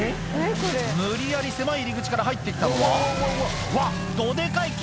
無理やり狭い入り口から入ってきたのはうわどデカい木！